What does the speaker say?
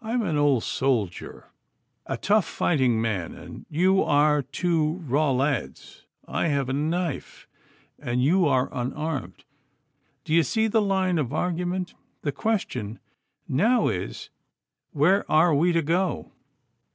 'I am an old soldier, a tough fighting man, and you are two raw lads. I have a knife, and you are unarmed. D'ye see the line of argument? The question now is, Where are we to go?